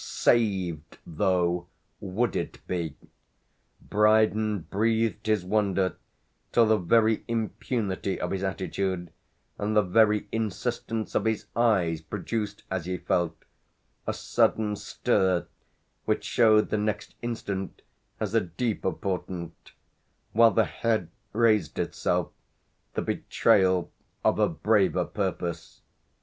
"Saved," though, would it be? Brydon breathed his wonder till the very impunity of his attitude and the very insistence of his eyes produced, as he felt, a sudden stir which showed the next instant as a deeper portent, while the head raised itself, the betrayal of a braver purpose.